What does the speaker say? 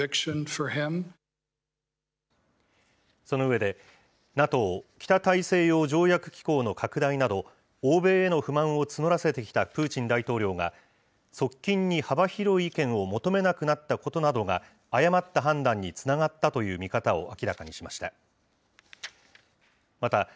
その上で、ＮＡＴＯ・北大西洋条約機構の拡大など、欧米への不満を募らせてきたプーチン大統領が、側近に幅広い意見を求めなくなったことなどが、誤った判断につながったという見方を明らかにしました。